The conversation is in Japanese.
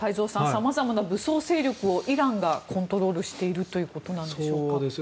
さまざまな武装勢力をイランがコントロールしているということなんでしょうか。